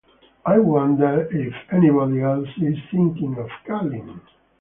I wonder if anybody else is thinking of calling?